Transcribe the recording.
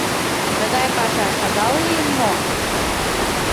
Тыгай паша шагал лийын мо?